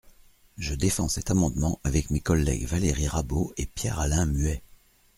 Je défends cet amendement avec mes collègues Valérie Rabault et Pierre-Alain Muet.